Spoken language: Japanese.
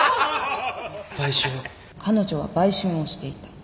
彼女は売春をしていた